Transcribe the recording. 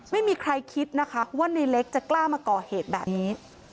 ไม่มีใครคิดนะคะว่าในเล็กจะกล้ามาก่อเหตุแบบนี้